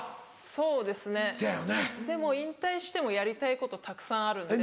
そうですねでも引退してもやりたいことたくさんあるので。